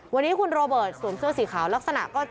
วันนี้คุณโรเบิร์ตสวมเสื้อสีขาวลักษณะก็